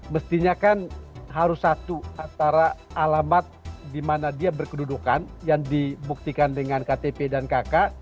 mestinya kan harus satu antara alamat di mana dia berkedudukan yang dibuktikan dengan ktp dan kk